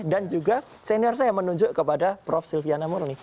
dan juga senior saya menunjuk kepada prof silviana murni